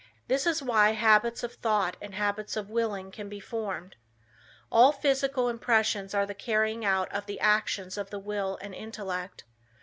This is why habits of thought and habits of willing can be formed. All physical impressions are the carrying out of the actions of the will and intellect.